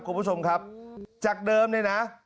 คุณผู้ชมครับจากเดิมเนี่ยนะ